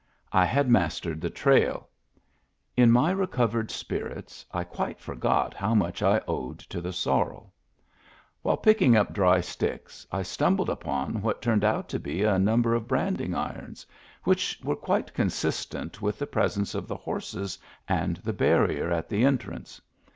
I had mastered the trail 1 In my Digitized by Google 192 MEMBERS OF THE FAMILY recovered spirits I quite forgot how much I owed to the sorreL While picking up dry sticks I stumbled upon what turned out to be a number of branding irons, which were quite consistent with the presence of the horses and the barrier at the entrance.